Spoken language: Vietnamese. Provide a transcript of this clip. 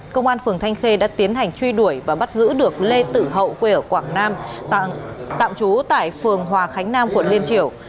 công an phường thanh khê đã tiến hành truy đuổi và bắt giữ được lê tử hậu quê ở quảng nam tạm trú tại phường hòa khánh nam quận liên triều